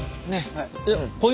はい。